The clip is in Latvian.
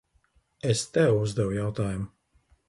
Es tev uzdevu jautājumu.